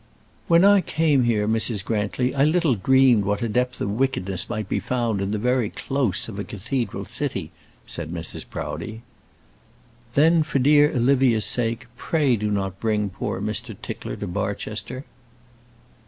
"When I came here, Mrs. Grantly, I little dreamed what a depth of wickedness might be found in the very close of a cathedral city," said Mrs. Proudie. "Then, for dear Olivia's sake, pray do not bring poor Mr. Tickler to Barchester."